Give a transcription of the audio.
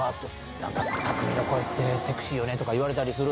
なんか、匠海の声ってセクシーよねとか言われたりする？